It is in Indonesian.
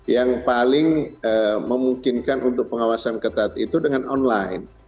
yang paling memungkinkan untuk pengawasan ketat itu dengan online